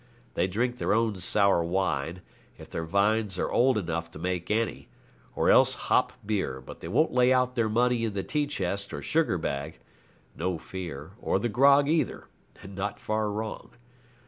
They drink their own sour wine, if their vines are old enough to make any, or else hop beer; but they won't lay out their money in the tea chest or sugar bag; no fear, or the grog either, and not far wrong.